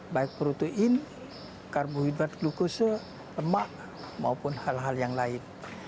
baik protein karbohidrat glukose lemak maupun hal hal yang lain